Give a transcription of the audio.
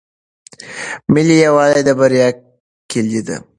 ملي یووالی د بریا کیلي ده.